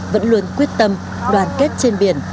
vẫn luôn quyết tâm đoàn kết trên biển